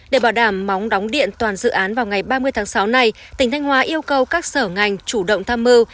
để bảo đảm móng đóng điện toàn dự án vào ngày ba mươi tháng sáu này tỉnh thanh hóa yêu cầu các sở ngành chủ động tham mưu